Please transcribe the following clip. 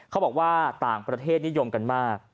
เขาบอกว่าต่างประเทศนิยมกันมาก